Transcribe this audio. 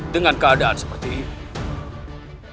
dengan keadaan seperti ini